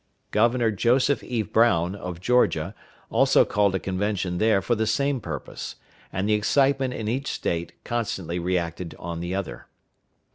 Governor Joseph E. Brown, of Georgia, also called a convention there for the same purpose; and the excitement in each State constantly reacted on the other.